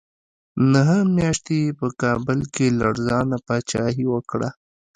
نهه میاشتې یې په کابل کې لړزانه پاچاهي وکړه.